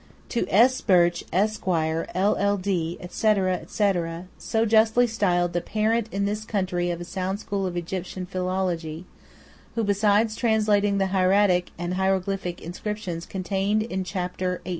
To S. Birch, Esq., LL.D., etc. etc., so justly styled "the Parent in this country of a sound school of Egyptian philology," who besides translating the hieratic and hieroglyphic inscriptions contained in Chapter xviii.